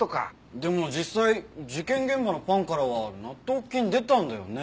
でも実際事件現場のパンからは納豆菌出たんだよね？